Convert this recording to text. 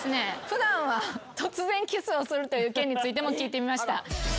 普段は突然キスをするという件についても聞いてみました。